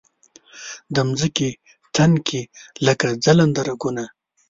د مځکې تن کې لکه ځلنده رګونه